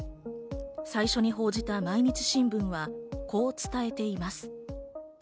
最初に報じた毎日新聞はこう伝えています。